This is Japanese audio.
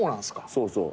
そうそう。